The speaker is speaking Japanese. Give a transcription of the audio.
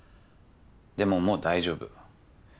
でももう大丈夫。